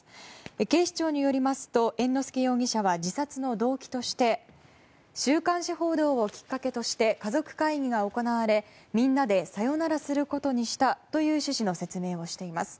警視庁によりますと猿之助容疑者は自殺の動機として週刊誌報道をきっかけとして家族会議が行われ、みんなでさよならすることにしたという趣旨の説明をしています。